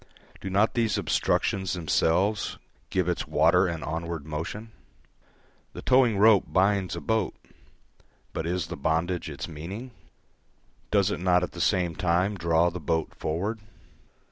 Do not these obstructions themselves give its water an onward motion? The towing rope binds a boat, but is the bondage its meaning? Does it not at the same time draw the boat forward?